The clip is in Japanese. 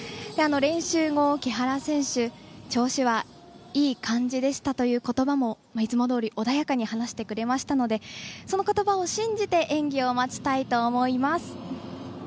練習後、木原選手調子はいい感じでしたということばも、いつもどおり穏やかに話してくれましたのでそのことばを信じて演技を待ちたいと思います。